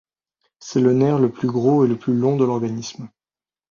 C'est le nerf le plus gros et le plus long de l'organisme.